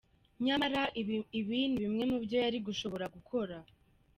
Yamara ibi ni bimwe mu vyo yari gushobora gukora: .